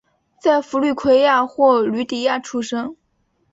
在佛律癸亚或吕底亚出生。